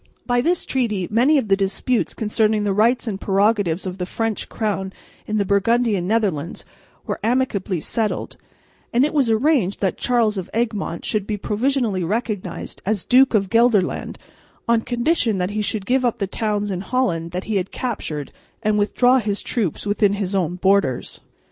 By this treaty many of the disputes concerning the rights and prerogatives of the French crown in the Burgundian Netherlands were amicably settled; and it was arranged that Charles of Egmont should be provisionally recognised as Duke of Gelderland on condition that he should give up the towns in Holland that he had captured and withdraw his troops within his own borders.